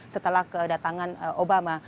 setelah kedatangan obama